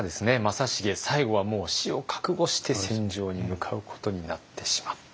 正成最後はもう死を覚悟して戦場に向かうことになってしまった。